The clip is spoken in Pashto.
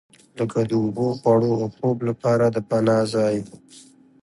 لکه د اوبو، خوړو او خوب لپاره د پناه ځای.